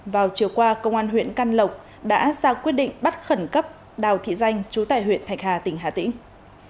vào chiều qua công an huyện căn lộc đã ra quyết định bắt khẩn cấp đào thị danh chú tài huyện thạch hà tỉnh hà tĩnh